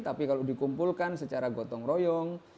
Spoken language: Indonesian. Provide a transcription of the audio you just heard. tapi kalau dikumpulkan secara gotong royong